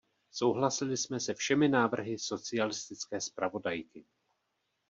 Souhlasili jsme se všemi návrhy socialistické zpravodajky.